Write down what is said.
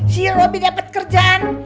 si robi dapat kerjaan